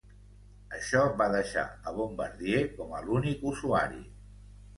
Això va deixar a Bombardier com a l'únic usuari.